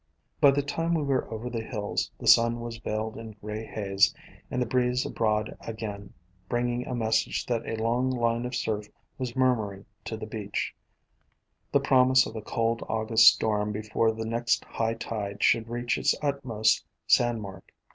By the time we were over the hills, the sun was veiled in gray haze, and the breeze abroad again, bringing a message that a long line of surf was murmuring to the beach, the promise 270 A COMPOSITE FAMILY of a cold August storm before the next high tide should reach its utmost sand mark.